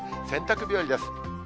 洗濯日和です。